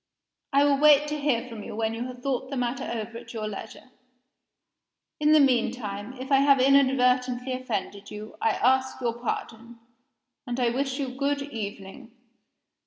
I will wait to hear from you when you have thought the matter over at your leisure. In the mean time, if I have inadvertently offended you, I ask your pardon and I wish you good evening."